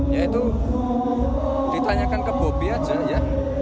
ya itu ditanyakan ke bobi aja ya